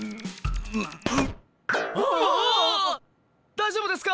大丈夫ですか？